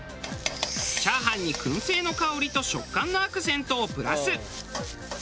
チャーハンに燻製の香りと食感のアクセントをプラス。